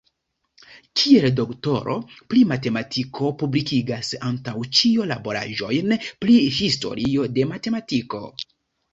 Kiel doktoro pri matematiko publikigis antaŭ ĉio laboraĵojn pri historio de matematiko.